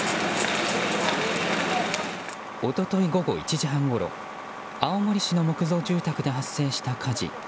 一昨日午後１時半ごろ青森市の木造住宅で発生した火事。